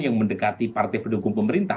yang mendekati partai pendukung pemerintah